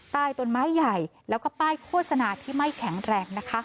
ใต้ต้นไม้ใหญ่แล้วก็ป้ายโฆษณาที่ไม่แข็งแรงนะคะ